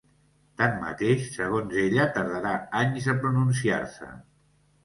Tanmateix, segons ella tardarà anys a pronunciar-se.